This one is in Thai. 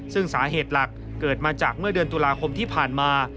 ซึ่งสาเหตุหลักเกิดมาจากเมื่อเดือนตุลาคมที่ผ่านมา